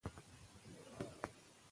پښتو ژبه د علم ژبه ګرځول پکار دي.